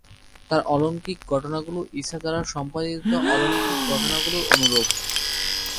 তাঁর অলৌকিক ঘটনাগুলো 'ইসা' দ্বারা সম্পাদিত অলৌকিক ঘটনাগুলোর অনুরূপ।